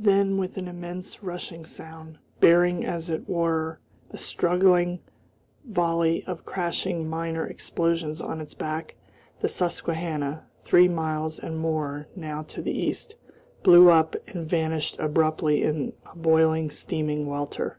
Then, with an immense rushing sound, bearing as it were a straggling volley of crashing minor explosions on its back, the Susquehanna, three miles and more now to the east, blew up and vanished abruptly in a boiling, steaming welter.